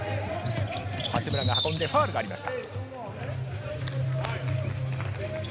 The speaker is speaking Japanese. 八村が運んでファウルがありました。